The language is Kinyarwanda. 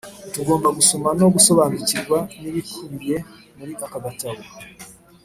tugomba gusoma no gusobanukirwa n'ibikubiye muri aka gatabo,